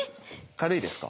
軽いですか？